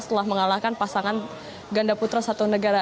setelah mengalahkan pasangan ganda putra satu negara